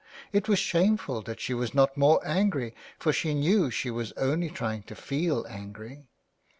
It was shameful that she was not more angry, for she knew she was only trying to feel angry.